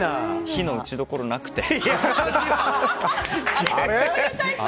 非の打ちどころがなくて。